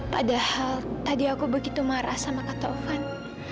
padahal tadi aku begitu marah sama kak taufan